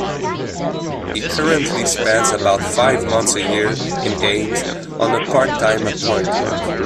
He currently spends about five months a year in Ames on a part-time appointment.